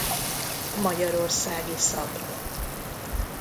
Magyarországi szab.